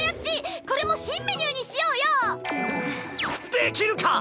できるかぁ！